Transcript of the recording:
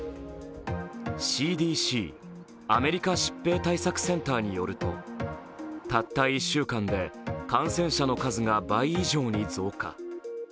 ＣＤＣ＝アメリカ疾病対策センターによるとたった１週間で感染者の数が倍以上に増加。